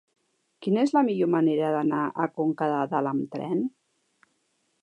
Quina és la millor manera d'anar a Conca de Dalt amb tren?